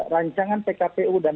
rancangan pkpu dan